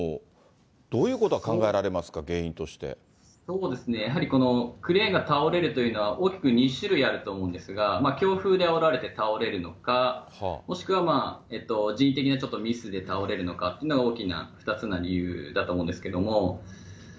どういうことが考えられますか、そうですね、やはりこのクレーンが倒れるというのは、大きく２種類あると思うんですが、強風であおられて倒れるのか、もしくは人的なちょっとミスで倒れるのかというのが大きな２つの理由だと思うんですけれども。